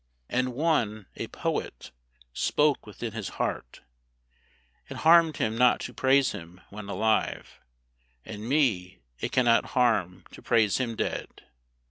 And one, a poet, spoke within his heart: "It harm'd him not to praise him when alive, And me it cannot harm to praise him dead.